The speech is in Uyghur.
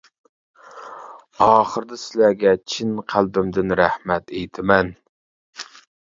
ئاخىردا سىلەرگە چىن قەلبىمدىن رەھمەت ئېيتىمەن.